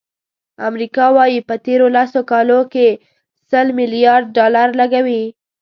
امریکا وایي، په تېرو لسو کالو کې سل ملیارد ډالر لګولي.